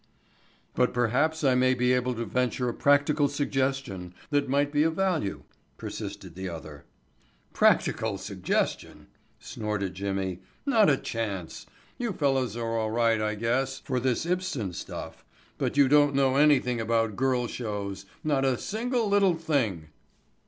"But perhaps I may be able to venture a practical suggestion that might be of value," persisted the other. "Practical suggestion!" snorted Jimmy. "Not a chance. You fellows are all right, I guess, for this Ibsen stuff, but you don't know anything about girl shows, not a single, little thing."